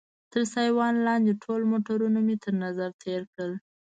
تر سایوان لاندې ټول موټرونه مې تر نظر تېر کړل.